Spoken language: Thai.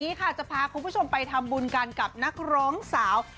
วันนี้ค่ะจะพาคุณผู้ชมไปทำบุญกันกับนักร้องสาว